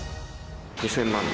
２０００万円！？